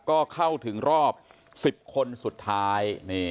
ก็เข้าถึงรอบ๑๐คนสุดท้าย